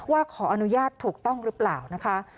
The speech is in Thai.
ว่าขออนุญาตถูกต้องหรือเปล่านะคะ